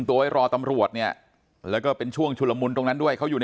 ตัวไว้รอตำรวจเนี่ยแล้วก็เป็นช่วงชุลมุนตรงนั้นด้วยเขาอยู่ใน